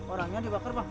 orangnya dibakar pak